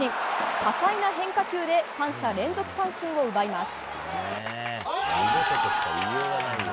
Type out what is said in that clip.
多彩な変化球で３者連続三振を奪います。